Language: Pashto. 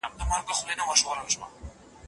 دې حالت شاوخوا زر کاله دوام وکړ.